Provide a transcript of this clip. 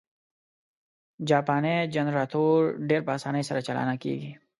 جاپانی جنرټور ډېر په اسانۍ سره چالانه کېږي.